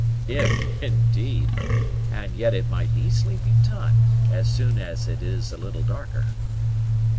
"If, indeed! and yet it might easily be done, as soon as it is a little darker.